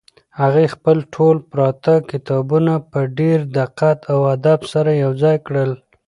هغې خپل ټول پراته کتابونه په ډېر دقت او ادب سره یو ځای کړل.